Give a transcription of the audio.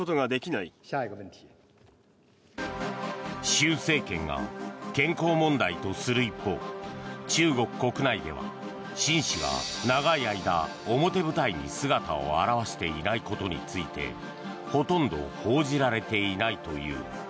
習政権が健康問題とする一方中国国内ではシン氏が長い間、表舞台に姿を現していないことについてほとんど報じられていないという。